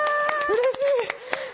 うれしい。